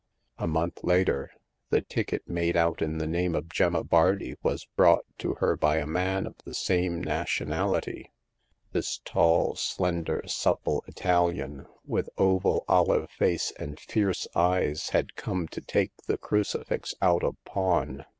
A month later the ticket The Fourth Customer. 113 made out in the name of Gemma Bardi was brought to her by a man of the same nationality. This tall, slender, supple Italian, with oval olive face and fierce eyes had come to take the cru cifix out of pawn.